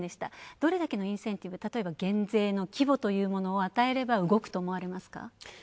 どれだけのインセンティブ、例えば減税の規模というものを与えれば動くと思われますか？